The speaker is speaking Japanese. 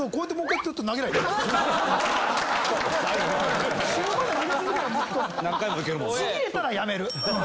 ちぎれたらやめる。